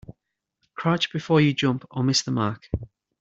Crouch before you jump or miss the mark.